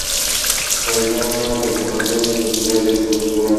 Realizaron una presentación en un festival en Portugal.